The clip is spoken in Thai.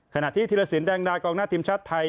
ขณะที่ธีรสินแดงดากองหน้าทีมชาติไทย